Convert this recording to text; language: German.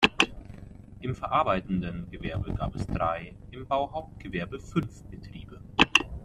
Im verarbeitenden Gewerbe gab es drei, im Bauhauptgewerbe fünf Betriebe.